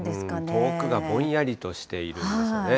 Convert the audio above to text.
遠くがぼんやりとしているんですよね。